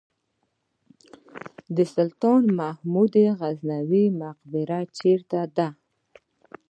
سلطان محمود غزنوي مقبره چیرته ده؟